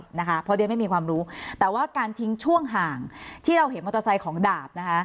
เพราะเดี๋ยวไม่มีความรู้แต่ว่าการทิ้งช่วงห่างที่เราเห็นมอเตอร์ไซค์ของดาบนะคะ